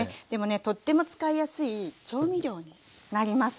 でもねとっても使いやすい調味料になります。